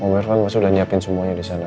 om irfan udah pasal udah siapin semuanya disana